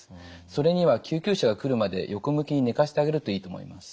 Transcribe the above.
それには救急車が来るまで横向きに寝かせてあげるといいと思います。